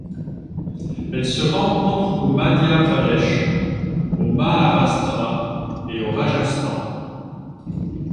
Elle se rencontre au Madhya Pradesh, au Maharashtra et au Rajasthan.